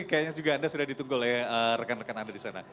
kayaknya juga anda sudah ditunggu oleh rekan rekan anda di sana